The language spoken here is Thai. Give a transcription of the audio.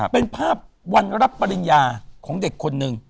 เป็นภาพวันรับปริญญาของเด็กคนหนึ่ง